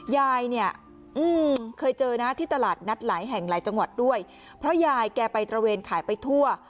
ยายเนี่ยเคยเจอนะที่ตลาดนัดหลายแห่งหลายจังหวัดด้วยเพราะยายแกไปตระเวนขายไปทั่ว